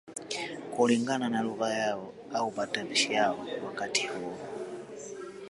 Kulingana na lugha yao au matamshi yao wakati huo